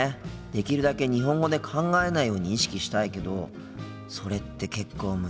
できるだけ日本語で考えないように意識したいけどそれって結構難しいよな。